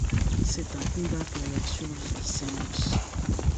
C'est un combat pour leur survie qui s'annonce.